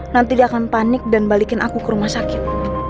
nanti dia akan panik dan balikin aku ke rumah sakit